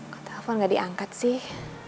kau telfon nggak diangkat sih